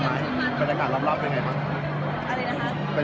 ตอนนี้อาทิตย์ต้องไปเก็บไปตรงนั้นอีกรอบเลย